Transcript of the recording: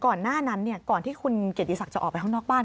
ก่อนหน้านั้นก่อนที่คุณเกียรติศักดิ์จะออกไปข้างนอกบ้าน